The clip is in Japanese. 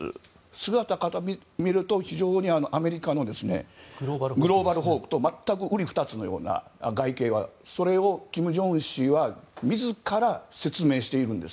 姿を見ると非常にアメリカのグローバルホークと全くうり二つのような外形はそれは金正恩氏は自ら説明しているんです。